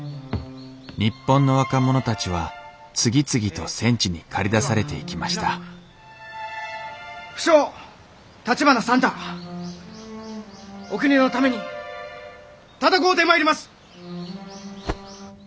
日本の若者たちは次々と戦地に駆り出されていきました不肖橘算太お国のために戦うてまいります！